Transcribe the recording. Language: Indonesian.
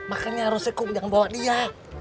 makanya harusnya kum jangkauan dia